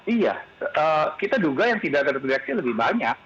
iya kita duga yang tidak terdeteksi lebih banyak